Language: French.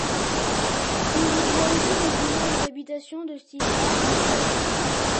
On lui doit aussi des immeubles d'habitation de style Art nouveau à Paris.